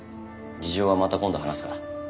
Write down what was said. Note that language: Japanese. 事情はまた今度話すから。